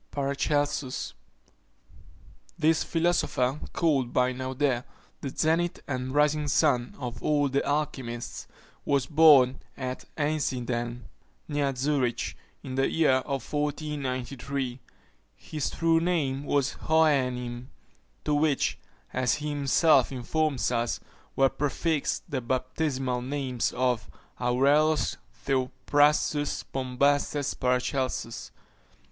PARACELSUS. This philosopher, called by Naudé "the zenith and rising sun of all the alchymists," was born at Einsiedeln, near Zurich, in the year 1493. His true name was Hohenheim; to which, as he himself informs us, were prefixed the baptismal names of Aureolus Theophrastus Bombastes Paracelsus.